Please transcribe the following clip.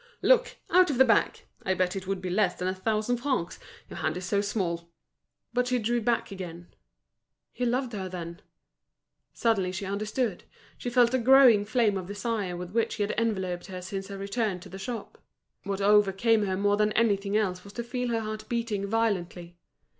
"Look! out of the bag. I bet it would be less than a thousand francs, your hand is so small!" But she drew back again. He loved her, then? Suddenly she understood, she felt the growing flame of desire with which he had enveloped her since her return to the shop. What overcame her more than anything else was to feel her heart beating violently.